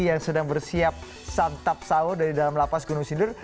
yang sedang bersiap santap sahur dari dalam lapas gunung sindur